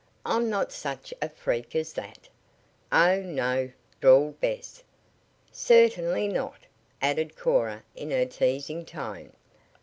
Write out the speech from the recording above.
"I'm not such a freak as that." "Oh, no," drawled Bess. "Cer tain ly not," added Cora in a teasing tone.